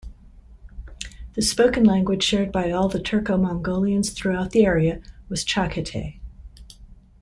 The spoken language shared by all the Turko-Mongolians throughout the area was Chaghatay.